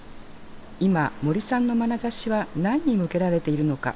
今森さんのまなざしは何に向けられているのか？